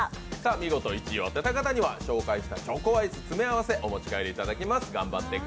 見事１位を当てた方には紹介したチョコアイス詰め合わせをお持ち帰りいただきます。